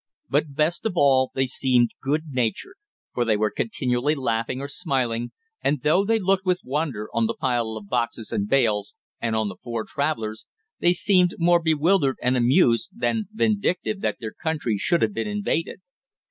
But, best of all, they seemed good natured, for they were continually laughing or smiling, and though they looked with wonder on the pile of boxes and bales, and on the four travelers, they seemed more bewildered and amused, than vindictive that their country should have been invaded.